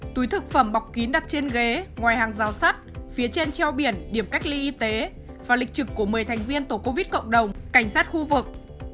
túi thực phẩm bọc kín đặt trên ghế ngoài hàng rào sắt phía trên treo biển điểm cách ly y tế và lịch trực của một mươi thành viên tổ covid cộng đồng cảnh sát khu vực